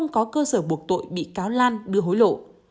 có cơ sở buộc tội bị cáo lan đưa hối lộ